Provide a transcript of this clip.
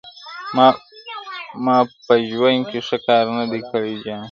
ما په ژوند کي ښه کار نه دی کړی جانه!.